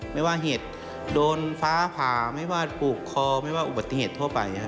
ไม่ว่าเหตุโดนฟ้าผ่าไม่ว่าผูกคอไม่ว่าอุบัติเหตุทั่วไป